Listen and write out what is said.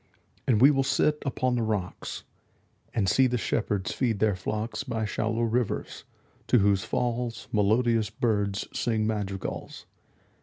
And we will sit upon the rocks, 5 And see the shepherds feed their flocks By shallow rivers, to whose falls Melodious birds sing madrigals.